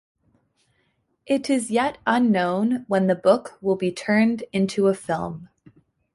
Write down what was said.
It is yet unknown when the book will be turned into a film.